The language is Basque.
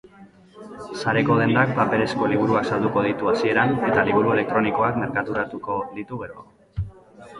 Sareko dendak paperezko liburuak salduko ditu hasieran eta liburu elektronikoak merkaturatuko ditu geroago.